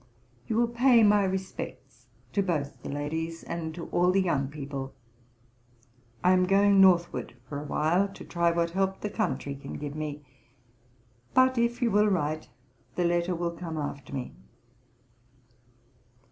You will pay my respects to both the ladies, and to all the young people. I am going Northward for a while, to try what help the country can give me; but, if you will write, the letter will come after me.'